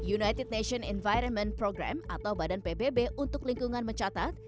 united nation environment program atau badan pbb untuk lingkungan mencatat